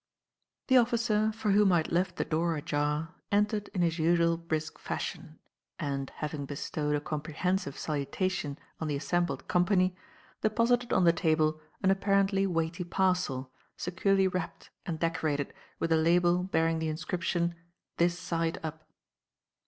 The officer, for whom I had left the door ajar, entered in his usual brisk fashion, and, having bestowed a comprehensive salutation on the assembled company, deposited on the table an apparently weighty parcel, securely wrapped and decorated with a label bearing the inscription "This side up."